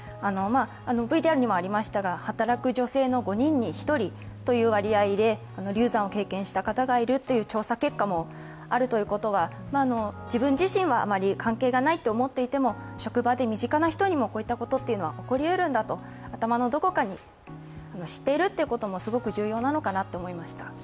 ＶＴＲにもありましたが働く女性の５人に１人という割合で流産を経験した人がいるという調査結果もあるということは自分自身はあまり関係がないと思っていても、職場で身近な人にも、こういったことは起こりうるんだということを頭のどこかに知っているっていうこともすごく重要なのかなって思いました。